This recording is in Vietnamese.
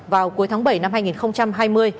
vào cuối tháng bảy năm hai nghìn hai mươi